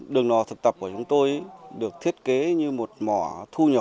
đường nò thực tập của chúng tôi được thiết kế như một mỏ thu nhỏ